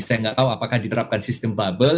saya nggak tahu apakah diterapkan sistem bubble